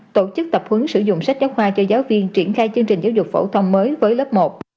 tổ chức tập hướng sử dụng sách giáo khoa cho giáo viên triển khai chương trình giáo dục phổ thông mới với lớp một